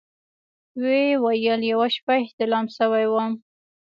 ويې ويل يوه شپه احتلام سوى وم.